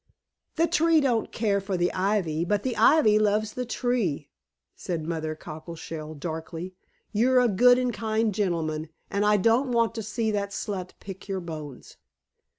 "The tree don't care for the ivy, but the ivy loves the tree," said Mother Cockleshell darkly. "You're a good and kind gentleman, and I don't want to see that slut pick your bones."